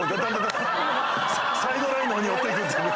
サイドラインの方に寄っていくんですよね。